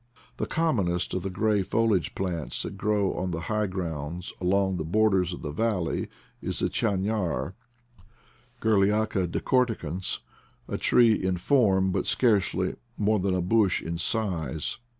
The com monest of the gray foliaged plants that grow on the high grounds along the borders of the valley is the chanar, Gurliaca decorticans, a tree in form, but scarcely more than a bush in size.